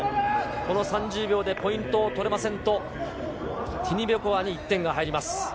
この３０秒でポイントを取れませんとティニベコワに１点が入ります。